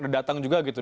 datang juga gitu